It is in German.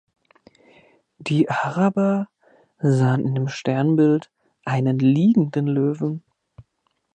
Die Araber sahen in dem Sternbild einen liegenden Löwen.